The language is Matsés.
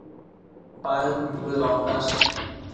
Paë nibëdondash